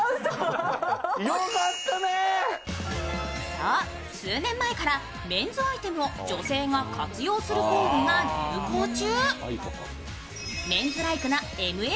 そう、数年前からメンズアイテムを女性が活用するコーデが流行中。